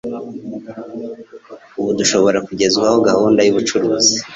ubu dushobora kugezwaho gahunda y'ubucuruzi